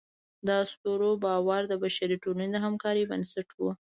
د اسطورو باور د بشري ټولنې د همکارۍ بنسټ و.